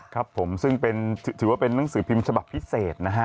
ครับผมซึ่งถือว่าเป็นนังสือพิมพ์ฉบับพิเศษนะฮะ